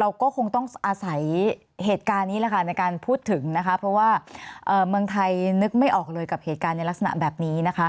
เราก็คงต้องอาศัยเหตุการณ์นี้แหละค่ะในการพูดถึงนะคะเพราะว่าเมืองไทยนึกไม่ออกเลยกับเหตุการณ์ในลักษณะแบบนี้นะคะ